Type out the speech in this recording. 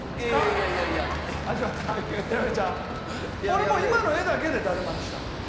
俺もう今の画だけでだるまにしたの。